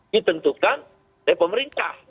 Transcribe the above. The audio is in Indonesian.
ditentukan oleh pemerintah